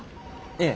ええ。